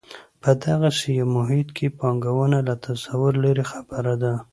په دغسې یو محیط کې پانګونه له تصوره لرې خبره ده.